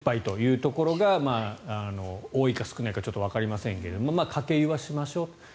１０杯というところが多いか少ないかちょっとわかりませんがかけ湯はしましょう。